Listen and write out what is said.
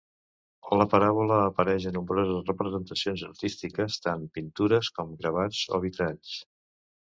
La paràbola apareix a nombroses representacions artístiques, tant pintures com gravats o vitralls.